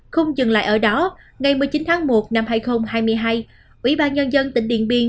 không dừng lại ở đó ngày một mươi chín tháng một năm hai nghìn hai mươi hai ủy ban nhân dân tỉnh điện biên